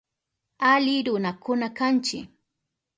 Ali runakuna kanchi.